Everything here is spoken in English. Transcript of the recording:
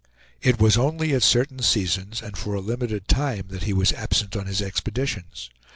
It was only at certain seasons, and for a limited time, that he was absent on his expeditions.